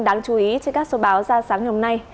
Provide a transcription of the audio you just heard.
đáng chú ý trên các số báo ra sáng ngày hôm nay